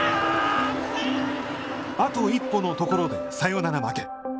あと一歩のところでサヨナラ負け。